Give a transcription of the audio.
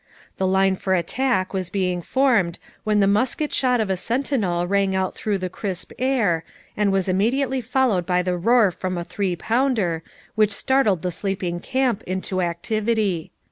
The line for attack was being formed when the musket shot of a sentinel rang out through the crisp air, and was immediately followed by the roar from a three pounder, which startled the sleeping camp into activity.